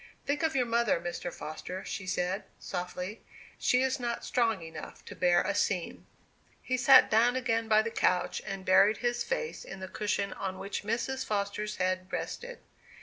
"Think of your mother, Mr. Foster," she said, softly. "She is not strong enough to bear a scene." He sat down again by the couch, and buried his face in the cushion on which Mrs. Foster's head rested.